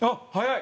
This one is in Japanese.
はい！